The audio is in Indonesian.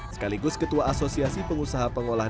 sekaligus ketua asosiasi pengusaha pengolahan